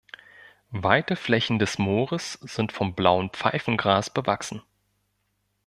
Weite Flächen des Moores sind von Blauem Pfeifengras bewachsen.